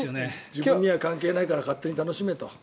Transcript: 自分には関係ないから勝手に楽しめと。